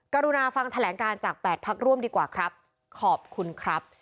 กรุณาฟังแถลงการจาก๘พักร่วมดีกว่าครับขอบคุณครับ